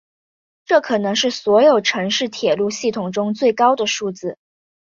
这可能是所有城市铁路系统中的最高数字。